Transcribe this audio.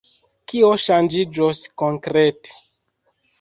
Kio ŝanĝiĝos konkrete?